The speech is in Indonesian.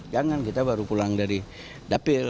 jangan kita baru pulang dari dapil